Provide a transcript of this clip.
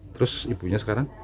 terus ibunya sekarang